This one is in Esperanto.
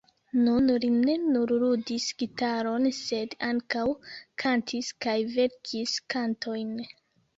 Nun li ne nur ludis gitaron, sed ankaŭ kantis kaj verkis kantojn.